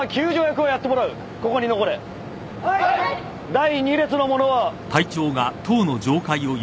第２列の者は。